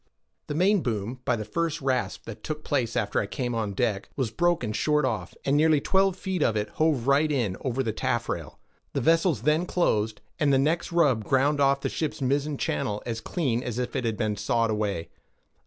The mainboom, by the first rasp that took place after I came on deck, was broken short off, and nearly twelve feet of it hove right in over the taffrail; the vessels then closed, and the next rub ground off the ship's mizzen channel as clean as if it had been sawed away.